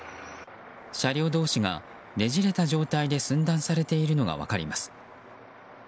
車両同士が、ねじれた状態で寸断されているのが分かります。